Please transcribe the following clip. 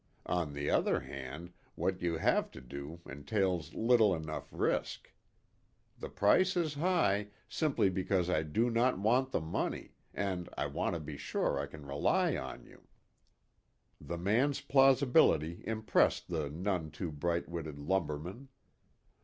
On the other hand, what you have to do entails little enough risk. The price is high, simply because I do not want the money, and I want to be sure I can rely on you." The man's plausibility impressed the none too bright witted lumberman.